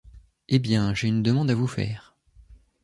Eh bien, j’ai une demande à vous faire...